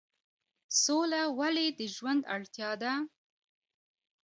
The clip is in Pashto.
سوله ولې د ژوند اړتیا ده؟